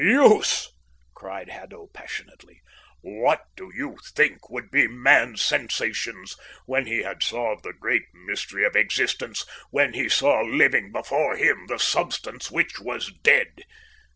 "Use!" cried Haddo passionately. "What do you think would be man's sensations when he had solved the great mystery of existence, when he saw living before him the substance which was dead?